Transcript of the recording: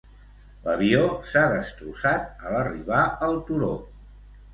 L'avió s'ha destrossat al arribar al turó.